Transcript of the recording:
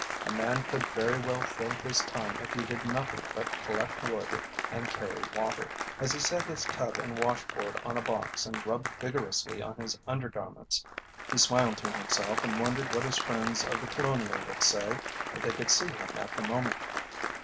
A man could very well fill his time if he did nothing but collect wood and carry water. As he set his tub and washboard on a box and rubbed vigorously on his undergarments, he smiled to himself and wondered what his friends of The Colonial would say if they could see him at the moment.